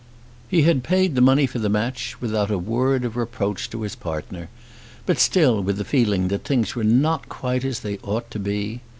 He had paid the money for the match without a word of reproach to his partner, but still with a feeling that things were not quite as they ought to be.